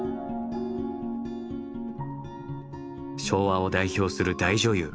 昭和を代表する大女優